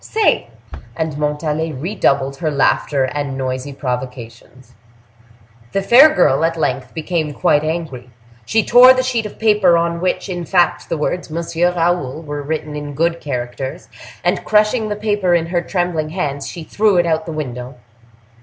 —say." And Montalais redoubled her laughter and noisy provocations. The fair girl at length became quite angry; she tore the sheet of paper on which, in fact, the words "Monsieur Raoul" were written in good characters; and crushing the paper in her trembling hands, she threw it out of the window.